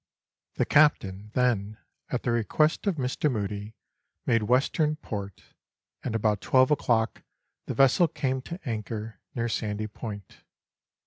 The Captain then, at the request of Mr. Mudie, made Western Port, and about twelve o'clock the vessel came to anchor near Sandy Point.